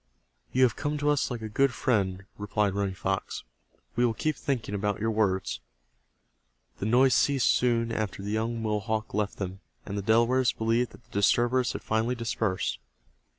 "You have come to us like a good friend," replied Running Fox. "We will keep thinking about your words." The noise ceased soon after the young Mohawk left them, and the Delawares believed that the disturbers had finally dispersed.